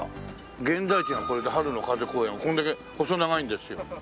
現在地がこれで春の風公園はこれだけ細長いんですよ。